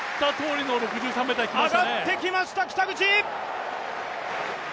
上がってきました北口！